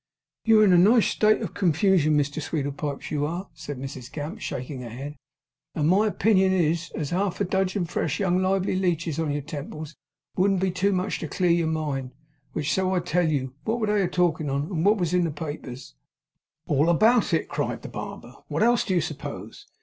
'You are in a nice state of confugion, Mr Sweedlepipes, you are!' said Mrs Gamp, shaking her head; 'and my opinion is, as half a dudgeon fresh young lively leeches on your temples, wouldn't be too much to clear your mind, which so I tell you. Wot were they a talkin' on, and wot was in the papers?' 'All about it!' cried the barber. 'What else do you suppose?